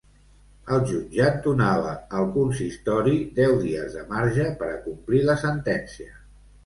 El jutjat donava al consistori deu dies de marge per a complir la sentència.